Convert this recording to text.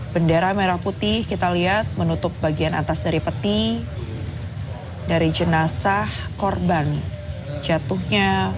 bendera merah putih kita lihat menutup bagian atas dari peti dari jenazah korban jatuhnya